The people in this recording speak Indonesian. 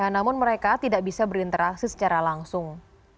namun mereka tidak bisa berinteraksi secara langsung